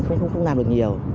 không làm được nhiều